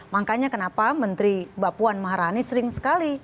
makanya kenapa menteri mbak puan maharani sering sekali